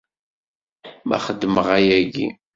Ma xedmeɣ ayagi.